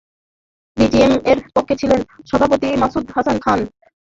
বিজিএমইএর পক্ষে ছিলেন সহসভাপতি মাহমুদ হাসান খান, পরিচালক মিরান আলী প্রমুখ।